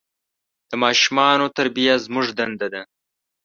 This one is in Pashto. د ماشومان تربیه زموږ دنده ده.